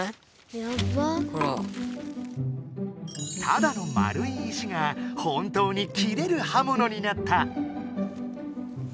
ただの丸い石が本当に切れる刃物になった！